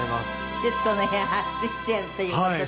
『徹子の部屋』初出演という事で。